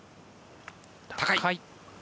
高い。